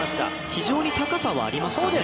非常に高さはありましたよね。